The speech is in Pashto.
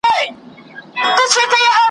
په کندهار کي